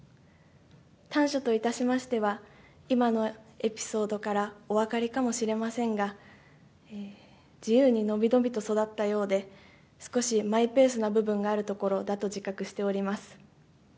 短所といたしましては、今のエピソードからお分かりかもしれませんが、自由に伸び伸びと育ったようで、少しマイペースな部分があるところだと自覚しております。